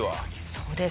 そうです。